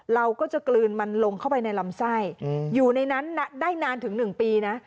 เราก็จะกลืนมันลงเข้าไปในลำไส้อยู่ในนั้นได้นานถึง๑ปีนะ